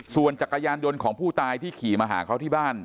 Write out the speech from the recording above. ส่วนจักรยานยนต์ของผู้ตายที่ขี่มาหาเขาที่บ้าน